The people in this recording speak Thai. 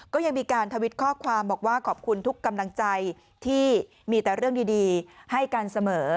ก็ยังมีการทวิตข้อความบอกว่าขอบคุณทุกกำลังใจที่มีแต่เรื่องดีให้กันเสมอ